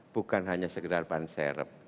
bukan hanya sekedar bahan serep